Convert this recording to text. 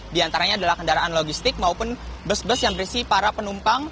di antaranya adalah kendaraan logistik maupun bus bus yang berisi para penumpang